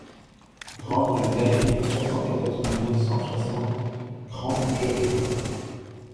Grande Rue d'Aléry, soixante-quatorze mille neuf cent soixante Cran-Gevrier